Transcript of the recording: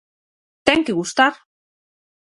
Ten que gustar.